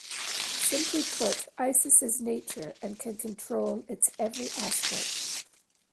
Simply put, Isis is nature and can control its every aspect.